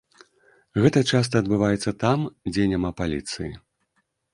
Гэта часта адбываецца там, дзе няма паліцыі.